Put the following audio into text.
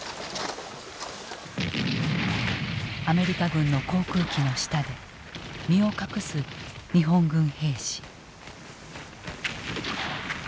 アメリカ軍の航空機の下で身を隠す日本軍兵士。